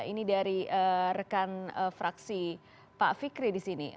ini dari rekan fraksi pak fikri di sini